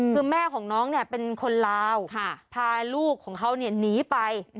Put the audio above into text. คือแม่ของน้องเป็นคนลาวพาลูกของเขาหนีไป